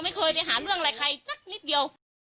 ไม่เคยไปหาเรื่องอะไรใครสักนิดเดียว